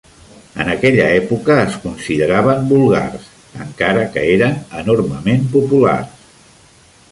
En aquella època, es consideraven vulgars, encara que eren enormement populars.